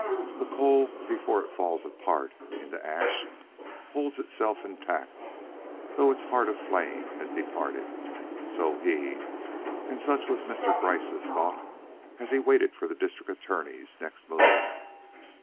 The coal before it falls apart into ash holds itself intact though its heart of flame has departed; so he or such was Mr. Gryce's thought as he waited for the District Attorney's next move.